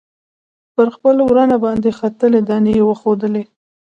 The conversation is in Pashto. پر خپل ورانه باندې ختلي دانې یې وښودلې.